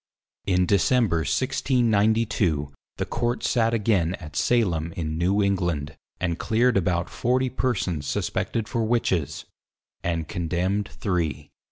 In December 1692, the Court sate again at Salem in New England, and cleared about 40 persons suspected for Witches, and Condemned three.